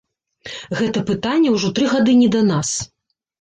Гэта пытанне ўжо тры гады не да нас.